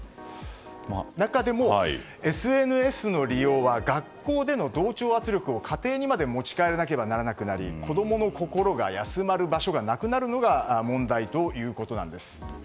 中でも、ＳＮＳの利用は学校での同調圧力を家庭にまで持ち帰らなければならなくなり子供の心が休まる場所がなくなるのが問題ということなんです。